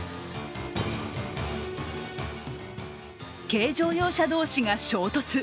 軽乗用車同士が衝突。